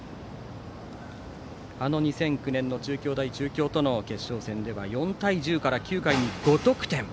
あの２００９年の中京大中京との決勝戦では４対１０から、９回に５得点。